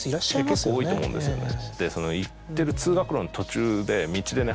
結構多いと思うんですよね。